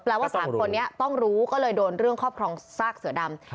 ว่า๓คนนี้ต้องรู้ก็เลยโดนเรื่องครอบครองซากเสือดำ